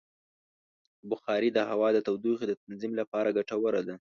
بخاري د هوا د تودوخې د تنظیم لپاره ګټوره ده.